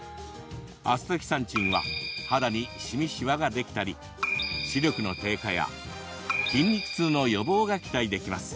アスタキサンチンは肌に、しみ、しわができたり視力の低下や筋肉痛の予防が期待できます。